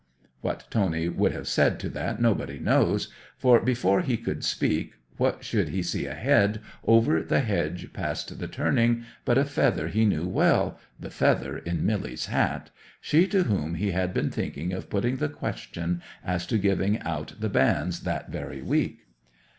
'What Tony would have said to that nobody knows, for before he could speak, what should he see ahead, over the hedge past the turning, but a feather he knew well—the feather in Milly's hat—she to whom he had been thinking of putting the question as to giving out the banns that very week.